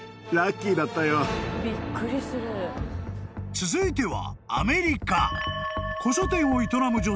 ［続いては］